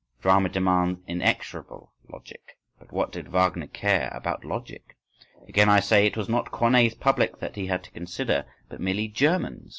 Drama demands inexorable logic: but what did Wagner care about logic? Again I say, it was not Corneille's public that he had to consider; but merely Germans!